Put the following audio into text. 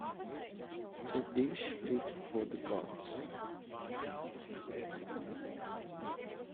A dish fit for the gods